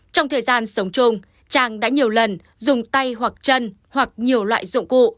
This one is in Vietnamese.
trong thời gian sống chung trang đã nhiều lần dùng tay hoặc chân hoặc nhiều loại dụng cụ